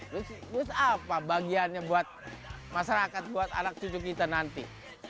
gus gus apa bagiannya buat masyarakat buat anak cucu kita nanti